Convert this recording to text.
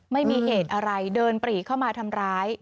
ไม่มีเหตุอะไรเดินปรีเข้ามาทำร้าย